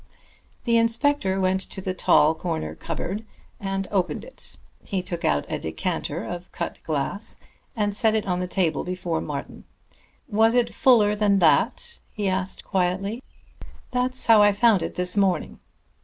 The inspector went to the tall corner cupboard and opened it. He took out a decanter of cut glass, and set it on the table before Martin. "Was it fuller than that?" he asked quietly. "That's how I found it this morning."